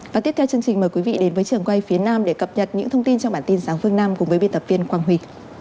và tiếp theo chương trình mời quý vị đến với trường quay phía nam để cập nhật những thông tin trong bản tin sáng phương nam cùng với biên tập viên quang huy